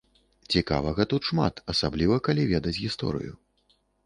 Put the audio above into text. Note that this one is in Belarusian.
Цікавага тут шмат, асабліва калі ведаць гісторыю.